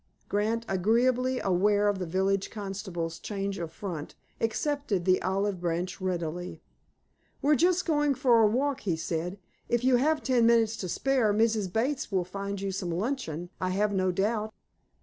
Grant, agreeably aware of the village constable's change of front, accepted the olive branch readily. "We're just going for a walk," he said. "If you have ten minutes to spare, Mrs. Bates will find you some luncheon, I have no doubt."